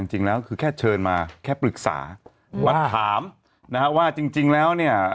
จริงแล้วคือแค่เชิญมาแค่ปรึกษามาถามนะฮะว่าจริงแล้วเนี่ย